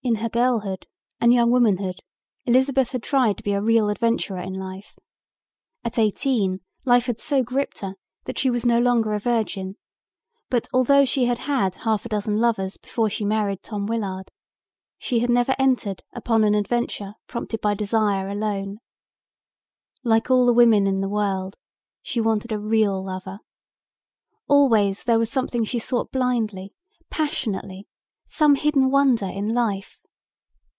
In her girlhood and young womanhood Elizabeth had tried to be a real adventurer in life. At eighteen life had so gripped her that she was no longer a virgin but, although she had a half dozen lovers before she married Tom Willard, she had never entered upon an adventure prompted by desire alone. Like all the women in the world, she wanted a real lover. Always there was something she sought blindly, passionately, some hidden wonder in life.